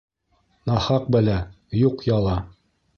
Нахаҡ бәлә, юҡ яла.